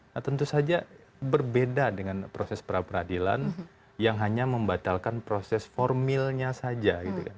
nah tentu saja berbeda dengan proses peradilan yang hanya membatalkan proses formilnya saja